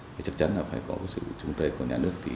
thì chắc chắn là phải có sự trung tâm của nhà nước